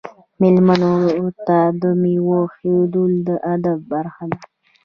میلمنو ته میوه ایښودل د ادب برخه ده.